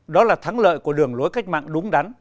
đó là thắng lợi của đường lối cách mạng đúng đắn